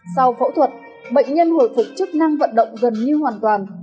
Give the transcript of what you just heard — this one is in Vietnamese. sau phẫu thuật bệnh nhân hồi phục chức năng vận động gần như hoàn toàn